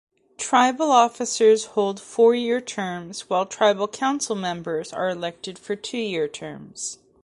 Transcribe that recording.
Tribal officers hold four-year terms while tribal council members are elected to two-year terms.